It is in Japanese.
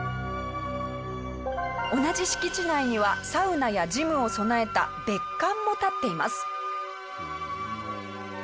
同じ敷地内にはサウナやジムを備えた別館も立っています。